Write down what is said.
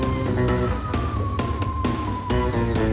ไอ้ทุกวันไอ้ทุกวัน